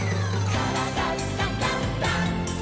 「からだダンダンダン」